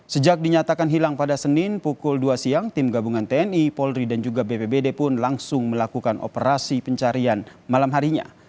sejak dinyatakan hilang pada senin pukul dua siang tim gabungan tni polri dan juga bpbd pun langsung melakukan operasi pencarian malam harinya